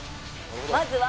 まずは。